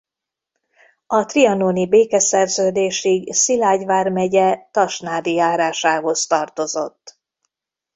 A trianoni békeszerződésig Szilágy vármegye tasnádi járásához tartozott.